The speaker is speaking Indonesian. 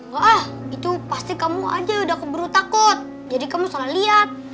wah itu pasti kamu aja udah keburu takut jadi kamu salah lihat